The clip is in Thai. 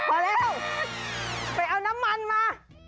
พอแล้วไปเอาน้ำมันมา